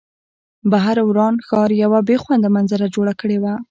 بهر وران ښار یوه بې خونده منظره جوړه کړې وه